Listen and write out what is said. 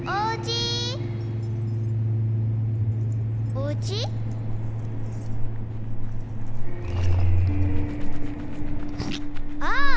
おうち？ああ！